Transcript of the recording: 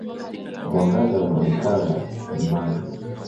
Mwangaza unaoonekana ni mag.